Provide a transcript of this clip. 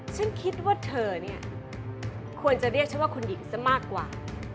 ฉันคิดว่าเธอเนี่ยควรจะเรียกฉันว่าคุณหญิงซะมากกว่า